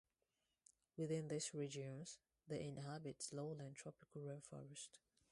Within these regions, they inhabit lowland tropical rainforests.